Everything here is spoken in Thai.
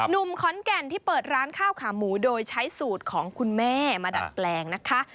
หนุ่มขอนแก่นที่เปิดร้านข้าวขาหมูโดยใช้สูตรของคุณแม่มาดัดแปลงนะคะ